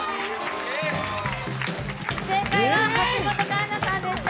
正解は橋本環奈さんでした。